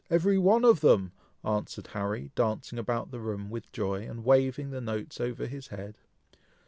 every one of them!" answered Harry, dancing about the room with joy, and waving the notes over his head.